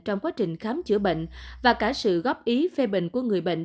trong quá trình khám chữa bệnh và cả sự góp ý phê bình của người bệnh